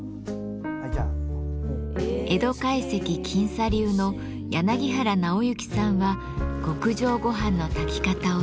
江戸懐石近茶流の柳原尚之さんは極上ごはんの炊き方を披露。